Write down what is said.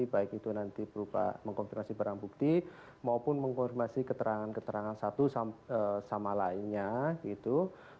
baik itu nanti berupa mengkonfirmasi barang bukti maupun mengkonfirmasi keterangan keterangan satu sama lainnya gitu